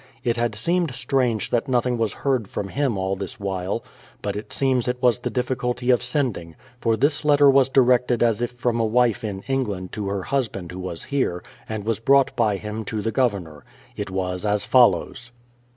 It had seemed strange that nothing was heard from him all this while ; but it seems it was the difficulty of send ing, for this letter was directed as if from a wife in England to her husband who was here, and was brought by him to the Governor. It was as follows.